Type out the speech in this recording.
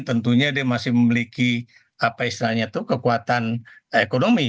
tentunya dia masih memiliki apa istilahnya itu kekuatan ekonomi